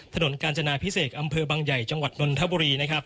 ถนนกาญจนาพิเศษอำเภอบางใหญ่จังหวัดนนทบุรีนะครับ